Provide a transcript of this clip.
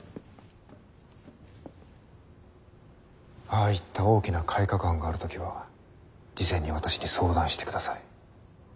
ああいった大きな改革案がある時は事前に私に相談してください。